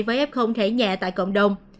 với ép không thể nhẹ tại cộng đồng